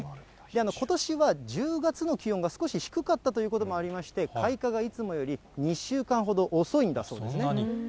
ことしは１０月の気温が少し低かったということもありまして、開花がいつもより２週間ほど遅いんだそうですね。